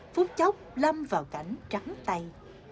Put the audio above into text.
phúc chốc lâm vào cảnh trắng tay